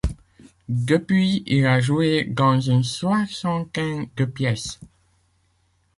Depuis il a joué dans une soixantaine de pièces.